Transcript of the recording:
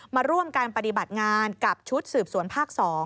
มาร่วมการปฏิบัติงานกับชุดสืบสวนภาค๒